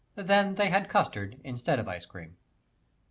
Then they had custard instead of ice cream.